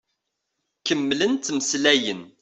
Kemmlen ttmeslayen.